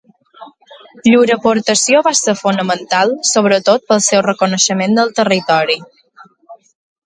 Llur aportació va ser fonamental, sobretot pel seu coneixement del territori.